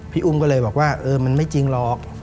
พี่อุ้มก็เลยบอกว่าเออมันไม่จริงหรอก